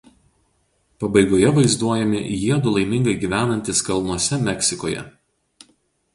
Pabaigoje vaizduojami jiedu laimingai gyvenantys kalnuose Meksikoje.